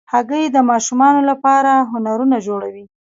هګۍ د ماشومانو لپاره هنرونه جوړوي.